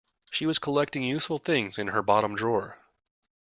She was collecting useful things in her bottom drawer